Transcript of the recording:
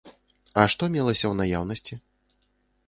А што мелася ў наяўнасці?